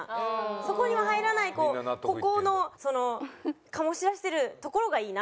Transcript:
そこには入らない孤高のその醸し出してるところがいいなって。